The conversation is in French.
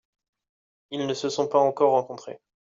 Ils ne se sont pas encore rencontrés.